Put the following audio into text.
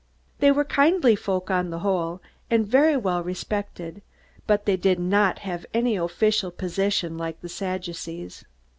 They were kindly folk, on the whole, and very well respected, but they did not have any official position, like the Sadducees.